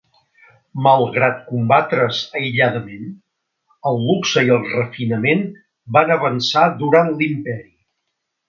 Malgrat combatre's aïlladament, el luxe i el refinament van avançar durant l'Imperi.